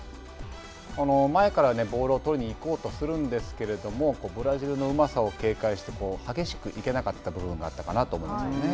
前からボールを取りに行こうとするんですけれどもブラジルのうまさを警戒して激しく行けなかった部分があるかなと思いますね。